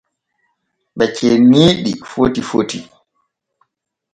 Ɓe cenna ɗi foti foti.